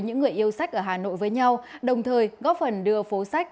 những người yêu sách ở hà nội với nhau đồng thời góp phần đưa phố sách